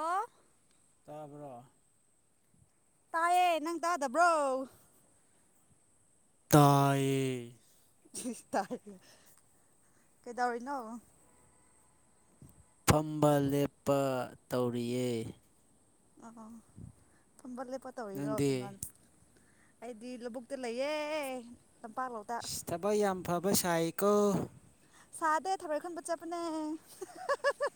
ꯑꯣ ꯇꯥꯕ꯭ꯔꯣ ꯇꯥꯏꯌꯦ ꯅꯪ ꯇꯥꯗꯕ꯭ꯔꯣ ꯇꯌꯦ ꯇ ꯀꯩꯗ ꯑꯣꯏꯣꯏꯅꯣ ꯐꯝꯕ ꯂꯦꯞꯄ ꯇꯧꯔꯤꯌꯦ ꯑꯝꯕꯂꯦ ꯄꯇꯥ ꯑꯣꯏ ꯔꯑꯣ ꯅꯪꯗꯤ ꯀ ꯑꯩꯗꯤ ꯂꯧꯕꯕꯨꯛꯇ ꯂꯩꯌꯦ ꯇꯝꯄꯥꯛꯂꯧꯗ ꯊꯕꯛ ꯌꯥꯝ ꯐꯕ ꯁꯥꯏꯀꯣ ꯁꯥꯗꯦ ꯊꯔꯦ ꯈꯟꯕ ꯆꯕꯅꯦ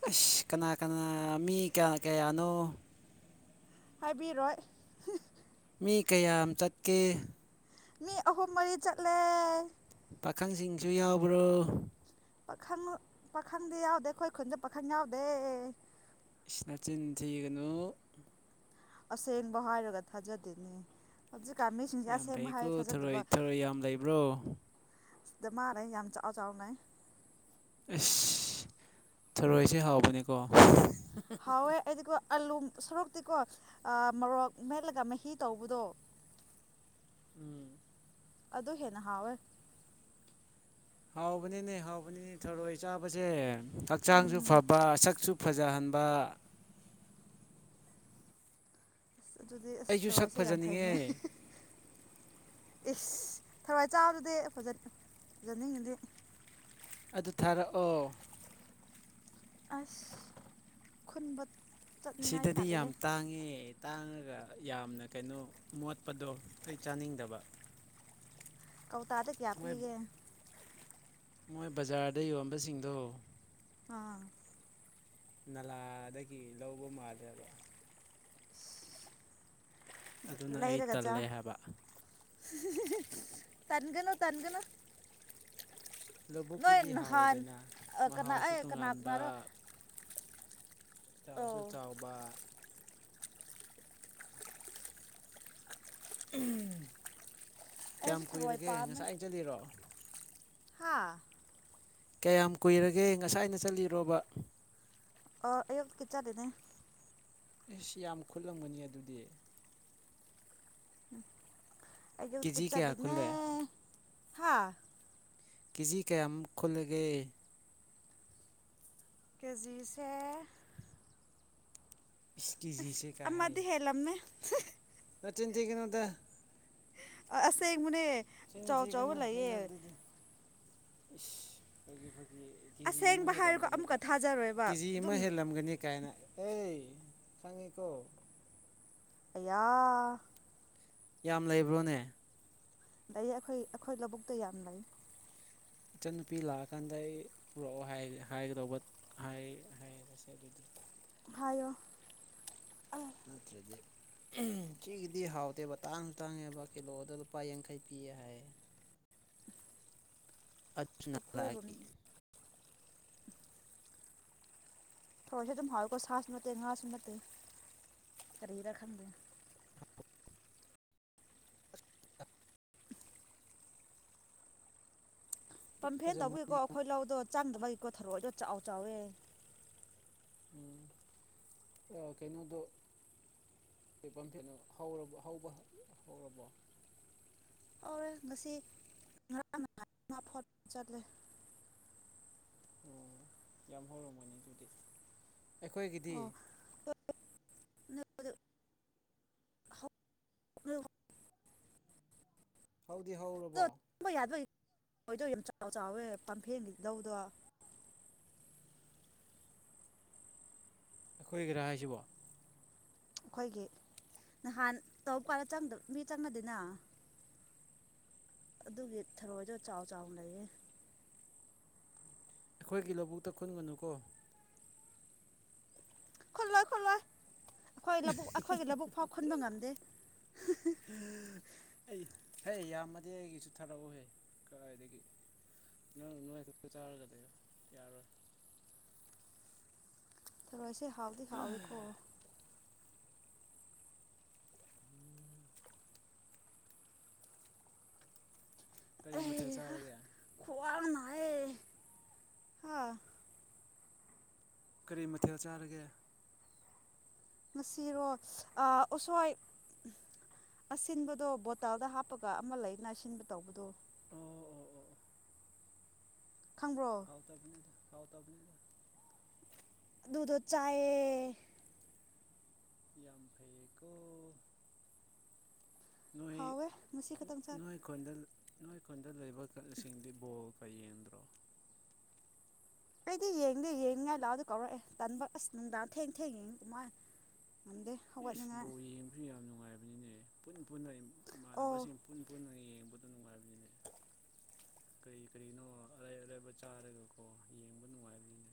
ꯑꯁ ꯀꯅꯥ ꯀꯅꯥ ꯃꯤ ꯀꯌꯥ ꯀꯌꯥꯅꯣ ꯍꯥꯏꯕꯤꯔꯣꯏ ꯃꯤ ꯀꯌꯥꯝ ꯆꯠꯀꯦ ꯃꯤ ꯑꯍꯨꯝ ꯃꯔꯤ ꯆꯠꯂꯦ ꯄꯥꯈꯪꯁꯤꯡꯁꯨ ꯌꯥꯎꯕ꯭ꯔꯣ ꯄꯥꯈꯪ ꯄꯥꯈꯪꯗꯤ ꯌꯥꯎꯗꯦ ꯑꯩꯈꯣꯏ ꯈꯨꯟꯁꯨ ꯄꯥꯈꯪ ꯌꯥꯎꯗꯦ ꯁꯤꯅꯇꯤꯟ ꯊꯤꯒꯅꯨ ꯑꯁꯦꯡꯕ ꯍꯥꯏꯔꯒ ꯊꯥꯖꯗꯦꯅꯦ ꯍꯧ ꯀꯥꯃꯤꯁꯤꯡꯁꯦ ꯌꯥꯝ ꯑꯁꯦꯡꯕ ꯐꯩꯀꯣ ꯍꯥꯏꯔꯦ ꯊꯔꯣꯏ ꯊꯥꯖꯗꯕ ꯊꯔꯣꯏ ꯌꯥꯝ ꯂꯩꯕ꯭ꯔꯣ ꯑꯗꯨ ꯃꯥꯔꯦ ꯌꯥꯝ ꯆꯥꯎꯥꯛ ꯆꯥꯎꯅ ꯑꯁ ꯊꯔꯣꯏꯁꯦ ꯍꯥꯎꯕꯅꯤꯀꯣ ꯍꯥꯎꯣꯏ ꯑꯩꯀꯣ ꯑꯥꯜꯂꯨ ꯁꯣꯔꯣꯛꯇꯤꯀꯣ ꯃꯣꯔꯣꯛ ꯃꯦꯠꯂꯒ ꯃꯍꯤ ꯇꯧꯕꯗꯣ ꯎꯝ ꯑꯗꯣ ꯍꯦꯅ ꯍꯥꯥꯎꯋ ꯍꯥꯎꯕꯅꯤꯅꯦ ꯍꯥꯎꯕꯅꯤꯅꯦ ꯊꯣꯔꯣꯏ ꯆꯥꯕꯁꯦ ꯍꯛꯆꯥꯡꯁꯨ ꯎꯝ ꯐꯕ ꯁꯛꯁꯨ ꯐꯖꯍꯟꯕ ꯑꯁ ꯑꯗꯨꯗꯤ ꯑꯁ ꯑꯩꯁꯨ ꯁꯛ ꯊꯧꯔꯑꯣꯁꯦ ꯌꯥꯝ ꯐꯖꯅꯤꯡꯉꯦ ꯐꯩꯩꯅꯩ ꯏꯁ ꯊꯋꯥꯏ ꯆꯥꯕꯗꯨꯗꯤ ꯐꯖꯅꯤꯡꯉꯤꯗꯤ ꯑꯗꯨ ꯊꯥꯔꯛꯑꯣ ꯑꯁ ꯈꯨꯟꯕꯥ ꯑꯁꯤꯗꯗꯤ ꯌꯥꯝ ꯇꯥꯡꯉꯦ ꯇꯥꯡꯉꯒ ꯌꯥꯝꯅ ꯀꯩꯅꯣ ꯃꯣꯠꯄꯗꯣ ꯑꯩ ꯆꯥꯅꯤꯡꯗꯕ ꯀꯧꯇꯥꯗ ꯀꯌꯥ ꯃꯣꯏ ꯀꯨꯏꯒꯦ ꯃꯣꯏ ꯕꯖꯥꯔꯗ ꯌꯣꯟꯕꯁꯤꯡꯗꯣ ꯑꯥ ꯅꯂꯥꯗꯒꯤ ꯂꯧꯕ ꯃꯥꯜꯂꯦꯕ ꯑꯗꯨꯅ ꯑꯩ ꯇꯜꯂꯦ ꯍꯥꯏꯕ ꯇꯥꯟꯒꯅꯣ ꯇꯥꯟꯒꯅꯣ ꯂꯧꯕꯕꯨꯛꯀꯤꯗꯤ ꯍꯥꯎꯋꯦꯗꯅ ꯀꯅꯥ ꯃꯍꯥꯎꯁꯨ ꯑꯩ ꯀꯅꯥ ꯇꯣꯉꯥꯟꯕ ꯀꯅꯥꯔꯣ ꯑꯣ ꯆꯥꯎꯁꯨ ꯆꯥꯎꯕ ꯑꯩꯁꯨ ꯀꯌꯥꯝ ꯊꯔꯣꯏ ꯀꯨꯏꯔꯒꯦ ꯉꯁꯥꯏ ꯑ ꯆꯠꯂꯤꯔꯣ ꯍꯥꯥ ꯀꯌꯥꯝ ꯀꯨꯏꯔꯒꯦ ꯉꯁꯥꯏꯅ ꯆꯠꯂꯤꯔꯣꯕ ꯑꯣ ꯑꯌꯨꯕ ꯀꯩ ꯆꯠꯅꯦ ꯑꯩꯁ ꯌꯥꯝ ꯈꯨꯠꯂꯝꯪꯕꯅꯤ ꯑꯗꯨꯗꯤ ꯑꯀꯤꯞ ꯀꯦꯖꯤ ꯀꯌꯥ ꯆꯠꯂꯤꯅꯦ ꯈꯨꯜꯂꯦ ꯍꯥ ꯀꯦꯖꯤ ꯀꯌꯥꯝꯃꯨꯛ ꯈꯨꯜꯂꯒꯦ ꯀꯦꯖꯤꯁ ꯏꯁ ꯑꯁ ꯀꯦꯖꯤꯁꯦ ꯀꯥ ꯍꯥꯏ ꯑꯃꯗꯤ ꯍꯦꯜꯂꯝꯃꯦ ꯅꯆꯤꯟ ꯊꯤꯒꯅꯨꯗ ꯑꯁꯦꯡ ꯕꯅꯦ ꯆꯤꯟ ꯊꯤꯒꯅꯨ ꯍꯩꯅꯗꯦꯗ ꯏꯁ ꯈꫭꯏꯒꯤ ꯈꫭꯏ ꯉꯤ ꯀꯦꯖꯤ ꯑꯃ ꯑꯁꯦꯡꯕ ꯍꯥꯏꯔꯒ ꯍꯦꯜꯂꯝꯒꯅꯤ ꯀꯥ ꯑꯃꯨꯛꯀ ꯊꯥꯖꯔꯣꯏꯕ ꯀꯦꯖꯤ ꯑꯃ ꯑꯗꯨꯝ ꯍꯦꯜꯂꯝꯒꯅꯤ ꯀꯥꯏꯅ ꯑꯩ ꯈꯪꯉꯤꯀꯣ ꯑꯌꯥ ꯌꯥꯝ ꯂꯩꯕ꯭ꯔꯣꯅꯦ ꯂꯩ ꯑꯩꯈꯣꯏ ꯑꯩꯈꯣꯏ ꯂꯧꯕꯨꯛꯇ ꯌꯥꯝ ꯂꯩ ꯏꯆꯟ ꯅꯨꯄꯤ ꯂꯥꯛꯑꯀꯥꯟꯗ ꯑꯩ ꯄꯨꯔꯛꯑꯣ ꯍꯥꯏꯒꯉꯦ ꯍꯥꯏꯒꯗꯧꯕ ꯍꯥꯏ ꯍꯥꯏꯔꯁꯦ ꯑꯗꯨꯗꯤ ꯍꯥꯏꯌꯣ ꯑ ꯅꯠꯇ꯭ꯔꯗꯤ ꯎꯝ ꯁꯤꯒꯤꯗꯤ ꯍꯥꯎꯇꯦꯕ ꯇꯥꯡꯁꯨ ꯇꯥꯡꯉꯦꯕ ꯀꯤꯂꯣꯗ ꯂꯨꯄꯥ ꯌꯥꯡꯈꯩ ꯄꯤꯌꯦ ꯍꯥꯏꯌꯦ [unintelligible] [inaudible] ꯑꯥꯠ ꯇꯨꯟꯅ ꯑꯩꯈꯣꯏꯔꯣꯝ ꯂꯥꯏꯀꯤ ꯊꯣꯟꯁꯦ ꯗꯨꯝ ꯍꯜ ꯂꯨꯀꯣ ꯁꯥꯁꯨ ꯅꯠꯇꯦ ꯉꯥꯁꯨ ꯟꯠꯇꯦ ꯀꯔꯤꯔꯥ ꯈꯟꯗꯦ ꯄꯝꯐꯦꯟ ꯇꯧꯕꯨꯏꯀꯣ ꯐꯖꯔꯝꯒꯅꯤ ꯑꯩꯈꯣꯏ ꯂꯧꯗꯣ ꯆꯪꯗꯕꯩꯀꯣ ꯊꯔꫭꯏꯗꫭ ꯆꯥꯎ ꯆꯥꯎꯋꯦ ꯎꯝ ꯑꯩ ꯀꯩꯅꯣꯗꯣ ꯀꯩ ꯄꯝꯐꯦꯠꯅꫭ ꯍꯧꯔ ꯍꯧꯕ ꯍꯧꯔꯕꯣ ꯑꯧꯔꯦ ꯉꯁꯤ ꯉꯔꯥꯡ ꯉꯥꯊꯣꯠ ꯆꯠꯂꯦ ꯑꯣ ꯌꯥꯝ ꯍꯧꯔꯝ ꯃꯣꯏꯅꯦ ꯑꯗꯨꯗꯤ ꯑꯩꯈꯣꯏꯒꯤꯗꯤ ꯑꯣ [unintelligible] [inaudible] ꯍꯧꯗꯤ ꯍꯧꯔꯕꯣ ꯊꯣꯏꯗꯣ ꯌꯥꯝ ꯆꯥꯎ ꯆꯥꯎꯋꯦ ꯄꯝꯐꯦꯟꯒꯤ ꯂꯧꯗꯣ ꯑꯩꯈꯣꯏꯒꯤꯔꯥ ꯍꯥꯏꯁꯤꯕꯣ ꯑꯩꯈꯣꯏꯒꯤ ꯅꯍꯥꯟ ꯇꯧ ꯀꯥꯟ ꯆꯪꯗ ꯃꯤ ꯆꯪꯅꯗꯤꯅ ꯑꯗꯨꯒꯤ ꯊꯔꯣꯏꯗꫭ ꯆꯥꯎ ꯆꯥꯎꯅ ꯂꯩꯌꯦ ꯑꯩꯈꯣꯏꯒꯤ ꯂꯕꯨꯛꯇ ꯈꯨꯟꯒꯅꯨꯀꯣ ꯈꯨꯜꯂꫭꯏ ꯈꯨꯜꯂꫭꯏ ꯑꯩꯈꯣꯏ ꯂꯕꯨꯛ ꯑꯩꯈꯣꯏꯒꯤ ꯂꯕꯨꯛ ꯐꯥꯎ ꯈꯨꯟꯕ ꯉꯝꯗꯦ ꯑꯩ ꯍꯦ ꯌꯥꯝꯃꯗꯤ ꯑꯩꯒꯤꯁꯨ ꯊꯥꯔꯛꯎꯍꯦ ꯀꯔꯥꯏꯗꯒꯤ ꯅꯪ ꯅꯣꯏꯈꯛꯇ ꯆꯥꯔꯒꯗꯤ ꯌꯥꯔꯣꯏ ꯊꯔꯣꯏ ꯁꯦ ꯍꯥꯎꯗꯤ ꯍꯥꯎꯋꯤ ꯀꯣ ꯀꯔꯤ ꯃꯊꯦꯜ ꯑꯦ ꯍꯥ ꯆꯥꯔꯒꯦ ꯈꯋꯥꯡꯅ ꯀꯔꯤ ꯃꯊꯦꯜ ꯆꯥꯔꯒꯦ ꯉꯁꯤꯔꯣ ꯏꯁ ꯑ ꯎꯁꯣꯏ ꯑꯁꯤꯟꯕꯗꯣ ꯕꯣꯇꯜꯗ ꯍꯥꯞꯄꯒ ꯑꯃ ꯂꯩꯗꯅ ꯑꯁꯤꯟꯕ ꯇꯧꯕꯗꯣ ꯑꯣ ꯑꯣ ꯈꯪꯕ꯭ꯔꯣ ꯍꯥꯎ ꯇꯕꯅꯦꯗꫭ ꯍꯥꯎ ꯇꯕꯅꯦꯗꫭ ꯑꯗꯨꯗꫭ ꯆꯥꯏꯌꯦ ꯌꯥꯝ ꯐꯩꯀꯣ ꯅꯣꯏ ꯍꯥꯎꯋꯦ ꯉꯁꯤ ꯈꯛꯇꯪ ꯆꯥ ꯅꯣꯏ ꯈꫭꯟꯗ ꯅꯣꯏ ꯈꯨꯟꯗ ꯂꯩꯕ ꯀꯠꯂꯁꯤꯡꯗꯤ ꯕꯣꯜ ꯀ ꯌꯦꯡꯗ꯭ꯔꯣ ꯑꯩꯗꯤ ꯌꯦꯡꯗꯦ ꯌꯦꯡꯉꯥꯏ ꯂꯥꯛꯑꯒ ꯀꯧꯔꯛꯑꯦ ꯇꯟꯕ ꯑꯁ ꯅꯨꯡꯗꯥꯡ ꯊꯦꯡ ꯊꯦꯡ ꯌꯦꯡꯉꯤ ꯀꯨꯃꯥꯏ ꯏꯁ ꯕꫭꯜ ꯌꯦꯡꯕꯁꯨ ꯌꯥꯝ ꯅꯨꯡꯉꯥꯏ ꯅꯤꯅꯦ ꯄꯨꯟ ꯄꯨꯟꯅ ꯏ ꯑꯣ ꯏꯃꯥꯟꯅꯕꯁꯤꯡ ꯄꯨꯟ ꯄꯨꯟꯅ ꯌꯦꯡꯕꯗꫭ ꯅꯨꯡꯉꯥꯏꯕꯅꯦ ꯀꯔꯤ ꯀꯔꯤꯅꯣ ꯑꯔꯩ ꯑꯔꯩꯕ ꯆꯥꯔꯒꯀꯣ ꯌꯦꯡꯕ ꯅꯨꯡꯉꯥꯏꯕꯅꯤ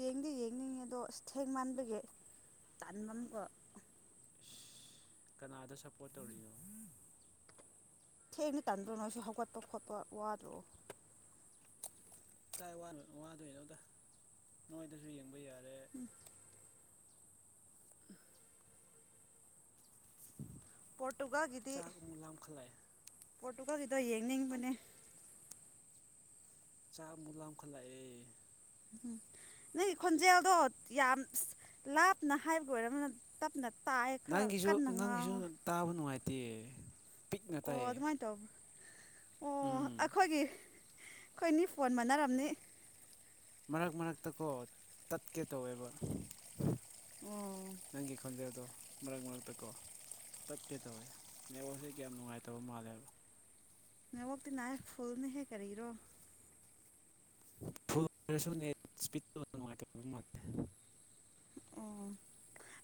ꯌꯦꯡꯗꯤ ꯌꯦꯡꯅꯤꯡꯉꯦꯗꫭ ꯑꯁ ꯊꯦꯡ ꯃꯟꯕꯒꯤ ꯇꯟꯕꯅꯤꯀꫭ ꯀꯅꯥꯗ ꯁꯄꯣꯠ ꯇꯧꯔꯤꯅꯣ ꯊꯦꯡꯅ ꯇꯟꯗ꯭ꯔꯣ ꯅꯣꯏ ꯁꯤ ꯍꯧꯒꯠꯄ ꯈꯣꯠꯄ ꯋꯥꯗ꯭ꯔꯣ ꯀꯥꯏ ꯋꯥꯗꯣꯏꯅꯣꯗ ꯅꯣꯏꯗꯁꯨ ꯌꯦꯡꯕ ꯌꯥꯔꯦ ꯎꯝ [unintelligible] [inaudible] ꯆꯥꯛ ꯑꯃꯨꯛ ꯂꯥꯝꯈꯠꯂꯛꯑꯦ ꯄꯣꯠꯇꯨꯀꯁꯤꯗ ꯌꯦꯡꯅꯤꯡꯕꯅꯦ ꯆꯥꯛ ꯃꯨꯂꯑꯈꯠꯂꯛꯑꯦ ꯎꯝ ꯅꯣꯏ ꯈꯣꯟꯖꯦꯜꯗꯣ ꯌꯥꯝ ꯂꯥꯞꯅ ꯍꯥꯏꯕꯒꯤ ꯑꯣꯏꯔꯔꯕꯅ ꯇꯞꯅ ꯇꯥꯏꯌꯦ ꯈꯔ ꯅꯪꯒꯤꯁꯨ ꯀꯟꯅ ꯅꯪꯒꯤꯁꯨ ꯉꯥꯡꯉꯣ ꯇꯥꯕ ꯅꯨꯡꯉꯥꯏꯇꯦ ꯄꯤꯛꯅ ꯑꯣ ꯇꯥꯏꯌꯦ ꯑꯗꯨꯃꯥꯏ ꯇꯣ ꯑꯣ ꯎꯝ ꯑꯩꯈꯣꯏꯒꯤ ꯑꯩꯈꯣꯏꯅꯤ ꯐꯣꯟ ꯃꯥꯟꯅꯔꯝꯅꯤ ꯃꯔꯛ ꯃꯔꯛꯇꯀꯣ ꯇꯠꯀꯦ ꯇꯧꯋꯦꯕ ꯑꯣ ꯅꯪꯒꯤ ꯈꯣꯟꯖꯗꯣ ꯃꯔꯛ ꯃꯔꯛꯇꯀꯣ ꯇꯠꯀꯦ ꯇꯧꯋꯦ ꯅꯦꯠꯋꯥꯛꯁꯦ ꯀꯌꯥꯝ ꯅꯨꯡꯉꯥꯏꯇꯕ ꯃꯥꯜꯂꯦꯕ ꯃ ꯋꯥꯛꯇ ꯅꯅꯥ ꯐꯨꯜꯅꯦ ꯍꯦ ꯀꯔꯤꯔꯣ ꯐ ꯄ ꯃ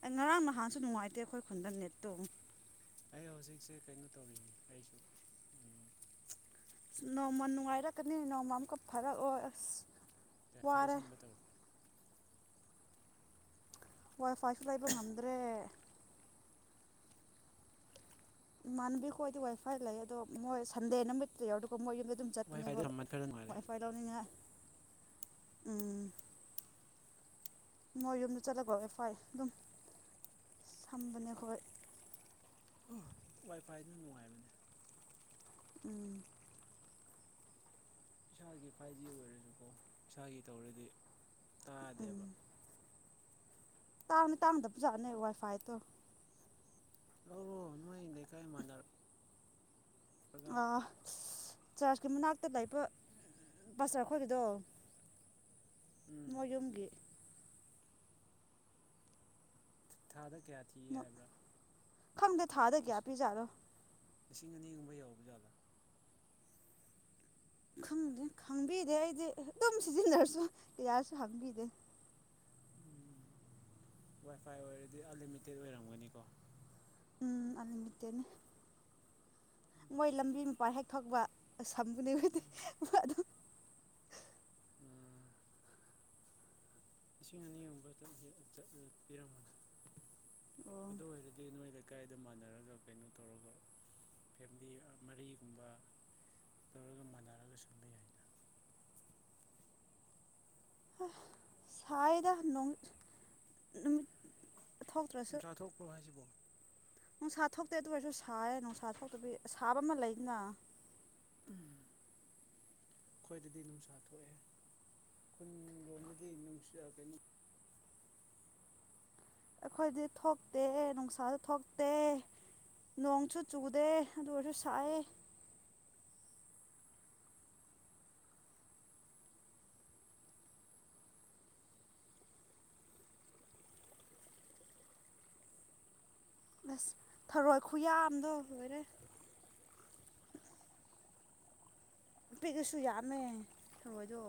ꯑꯣ ꯉꯔꯥꯡ ꯅꯍꯥꯟꯁꯨ ꯅꯨꯡꯉꯥꯏꯇꯦ ꯑꯩꯈꯣꯏ ꯈꯨꯟꯗ ꯅꯦꯠꯇꯣ ꯑꯩ ꯍꯧꯖꯤꯛꯁꯦ ꯀꯩꯅꯣ ꯇꯧꯔꯤꯅꯦ ꯑꯩꯁꯨ ꯅꯣꯡꯃ ꯅꯨꯡꯉꯥꯏꯔꯛꯀꯅꯤ ꯅꯣꯡꯃ ꯑꯃꯨꯛꯀ ꯐꯔꯛꯑꯣ ꯑꯁ ꯦꯐꯥꯏꯜ ꯋꯥꯔꯦ ꯁꯝꯕ ꯇꯧꯔꯤꯦ ꯋꯥꯏ ꯐꯥꯏꯁꯨ ꯂꯩꯕ ꯉꯝꯗ꯭ꯔꯦ ꯏꯃꯥꯟꯅꯕꯤꯈꯣꯗꯤ ꯋꯥꯏ ꯐꯥꯏ ꯂꯩ ꯑꯗꯣ ꯃꯣꯏ ꯁꯟꯗꯦ ꯅꯨꯃꯤꯠꯇ ꯌꯥꯎꯔꯒ ꯃꯣꯏ ꯑꯗꯨꯝ ꯋꯥꯏꯐꯥꯏꯗ ꯆꯠꯄꯅꯦꯀꯣꯣꯏ ꯁꯝꯕ ꯈꯔ ꯅꯨꯡꯉꯥꯏꯔꯦ ꯋꯥꯏꯐꯥꯏ ꯂꯧꯅꯤꯅ ꯎꯝ ꯃꯣꯏ ꯌꯨꯝꯗ ꯆꯠꯂꯀꯣ ꯑꯦꯐ ꯑꯥꯏ ꯑꯗꯨꯝ ꯁꯝꯕꯅꯦ ꯑꯩꯣꯏ ꯋꯥꯏꯐꯥꯏꯅ ꯅꯨꯡꯉꯥꯏꯕꯅꯦ ꯎꯝ ꯏꯁꯥꯒꯤ ꯐꯥꯏꯚ ꯖꯤ ꯑꯣꯏꯔꯁꯨꯀꯣ ꯏꯁꯥꯒꯤ ꯇꯧꯔꯗꯤ ꯇꯥꯗꯦꯕ ꯇꯅꯤ ꯇꯥꯡꯗ ꯄꯨꯖꯥꯅꯦ ꯋꯥꯏ ꯐꯥꯏꯇ ꯂꯧꯔꯣ ꯅꯣꯏ ꯑꯗꯀꯥꯏ ꯃꯥꯟꯅꯔ ꯑ ꯆꯥꯔꯖꯀꯤ ꯃꯅꯥꯛꯇ ꯂꯩꯄ ꯕꯁꯔ ꯑꯩꯈꯣꯏꯒꯤꯗꯣ ꯎꯝ ꯃ ꯌꯨꯝꯒꯤ ꯊꯥꯗ ꯀꯌꯥ ꯊꯤꯌꯦ ꯍꯥꯏꯕ꯭ꯔꯥ ꯈꯪꯗ ꯊꯥꯗꯒꯌꯥ ꯄꯤ ꯌꯥꯗꯣ ꯂꯤꯁꯤꯡ ꯑꯅꯤꯒꯨꯝꯕ ꯌꯎꯕ ꯖꯥꯠꯂꯥ ꯈꯗꯦ ꯈꯪꯕꯤꯗꯦ ꯑꯩꯗꯤ ꯑꯗꯨꯝ ꯁꯤꯖꯤꯟꯅꯔꯁꯨ ꯌꯥ ꯌꯥꯔꯁꯨ ꯈꯪꯕꯤꯗꯦ ꯎꯝ ꯋꯥꯏꯐꯥꯏ ꯑꯣꯏꯔꯗꯤ ꯑꯟꯂꯤꯃꯤꯇꯦꯠ ꯑꯣꯏꯔꯝꯒꯅꯤꯀꯣ ꯎꯝ ꯑꯟꯃꯤꯇꯦꯠꯅꯦ ꯃꯣꯏ ꯂꯝꯕꯤ ꯃꯄꯥꯥꯟ ꯍꯦꯛ ꯊꯛꯄ ꯈꯝꯕꯨꯅꯦꯕꯗꯤ ꯑꯗꯨ ꯎꯝ ꯂꯤꯁꯤꯡ ꯑꯅꯤꯒꯨꯝꯕ ꯄꯔꯃꯅꯤ ꯑꯣ ꯑꯗꯨ ꯑꯣꯏꯔꯗꯤ ꯅꯣꯏ ꯂꯩꯀꯥꯏꯗ ꯃꯥꯟꯅꯔꯒ ꯀꯩꯅꯣ ꯇꯧꯔꯒ ꯐꯦꯃꯤꯂꯤ ꯃꯔꯤꯒꯨꯝꯕ ꯇꯧꯔꯒ ꯃꯅꯔꯒ ꯁꯝꯕ ꯌꯥꯏꯅ ꯁꯗꯣꯡ ꯅꯨꯃꯤ ꯆꯊꯣꯛꯄ꯭ꯔꯚꯥꯏꯁꯤꯕꯨꯣ ꯅꯨꯡꯁꯥ ꯊꯣꯛꯇꯦ ꯑꯗꯨ ꯑꯣꯏꯔꯁꯨ ꯁꯥꯏꯌꯦ ꯅꯨꯡꯁꯥ ꯊꯣꯛꯇꯕꯤ ꯁꯥꯕ ꯑꯃ ꯂꯩꯗꯅ ꯎꯝ ꯈ꯭ꯋꯥꯣꯏꯗꯗꯤ ꯅꯨꯡꯁꯥ ꯊꯣꯛꯑꯦ ꯈꯨꯟ ꯂꯣꯝꯗꯒꯤ ꯅꯨꯡꯁꯤꯛꯒꯅꯤ ꯑꯩꯈꯣꯏꯗꯤ ꯊꯣꯛꯇꯦ ꯅꯨꯡꯁꯥꯗ ꯊꯣꯛꯇꯦ ꯅꯣꯡꯁꯨ ꯆꯨꯗꯦ ꯑꯗꯨ ꯑꯣꯏꯔꯁꯨ ꯁꯥꯏꯦ ꯑꯁ ꯊꯔꯣꯏ ꯈꯨꯌꯥꯗꯣ ꯂꯣꯏꯔꯦ ꯄꯤ ꯀꯁꯨ ꯌꯥꯃꯦ ꯊꯗꯣ